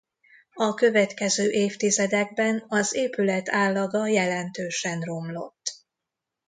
A következő évtizedekben az épület állaga jelentősen romlott.